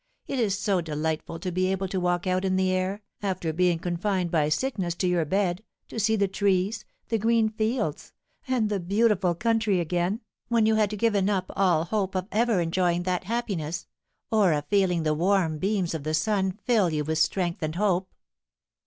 It is so delightful to be able to walk out in the air, after being confined by sickness to your bed, to see the trees, the green fields, and the beautiful country again, when you had given up all hope of ever enjoying that happiness, or of feeling the warm beams of the sun fill you with strength and hope!"